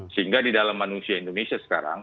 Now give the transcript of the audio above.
sehingga di dalam manusia indonesia sekarang